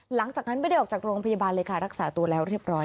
หลังจากนั้นไม่ได้ออกจากโรงพยาบาลเลยค่ะรักษาตัวแล้วเรียบร้อย